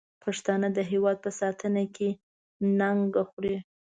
پښتانه د هېواد په ساتنه کې ننګ خوري.